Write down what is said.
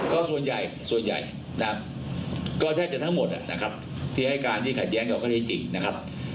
ก็ส่วนใหญ่ส่วนใหญ่นะครับก็แทบจะทั้งหมดนะครับที่ให้การที่ขัดแย้งกับข้อที่จริงนะครับ